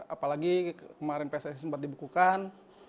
apalagi kemarin pssi sempat dibekukan